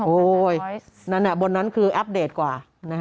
โอ้โฮบนนั้นคืออัพเดทกว่า